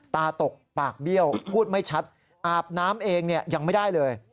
ตาตกปากเบี้ยวพูดไม่ชัดอาบน้ำเองยังไม่ได้เลย